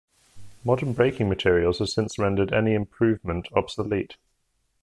Modern braking materials have since rendered any improvement obsolete.